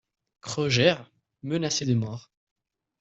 Kroger, menacé de mort.